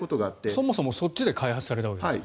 そもそも、そっちで開発されたわけですもんね。